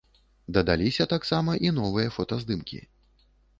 Дадаліся таксама і новыя фотаздымкі.